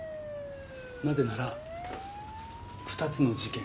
なぜなら２つの事件